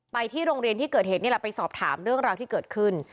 ที่โรงเรียนที่เกิดเหตุนี่แหละไปสอบถามเรื่องราวที่เกิดขึ้น